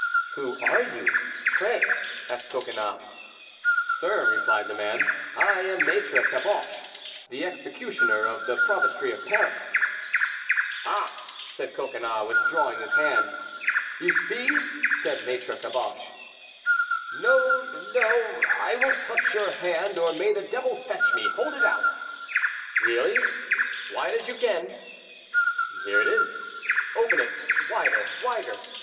"Who are you, pray?" asked Coconnas. "Sir," replied the man, "I am Maître Caboche, the executioner of the provostry of Paris"— "Ah"—said Coconnas, withdrawing his hand. "You see!" said Maître Caboche. "No, no; I will touch your hand, or may the devil fetch me! Hold it out"— "Really?" "Wide as you can." "Here it is." "Open it—wider—wider!"